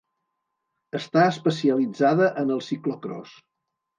Està especialitzada en el ciclocròs.